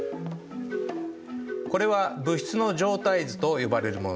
これは物質の状態図と呼ばれるものです。